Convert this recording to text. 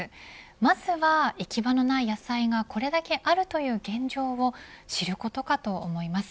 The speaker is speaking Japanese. まずは行き場のない野菜がこれだけあるという現状を知ることかと思います。